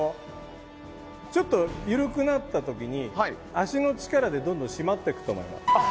ちょっと緩くなった時に足の力でどんどん締まっていくと思います。